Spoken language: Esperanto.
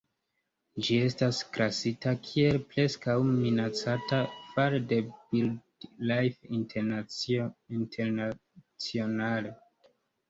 Ĝi estas klasita kiel "Preskaŭ Minacata" fare de Birdlife International.